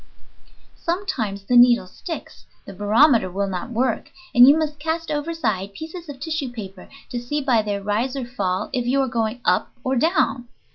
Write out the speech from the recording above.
Sometimes the needle sticks, the barometer will not work, and you must cast overside pieces of tissue paper to see by their rise or fall if you are going up or down.